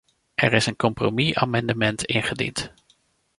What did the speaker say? Er is een compromisamendement ingediend.